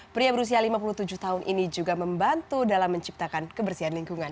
pria berusia lima puluh tujuh tahun ini juga membantu dalam menciptakan kebersihan lingkungan